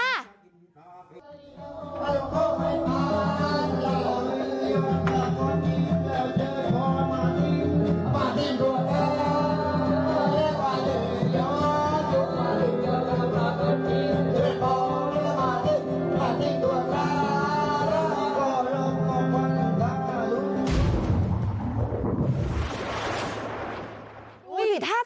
บ้านให้ตัวร้ารอหรอกลงกว่าหลังกะลุ้ม